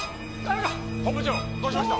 本部長どうしました？